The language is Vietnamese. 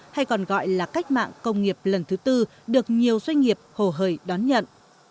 hay còn gọi là cách mạng công nghiệp lần thứ tư được nhiều doanh nghiệp hồ hời đón nhận